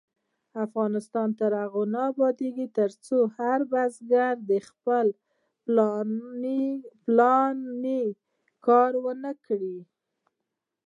افغانستان تر هغو نه ابادیږي، ترڅو هر بزګر خپل پلاني کار ونکړي.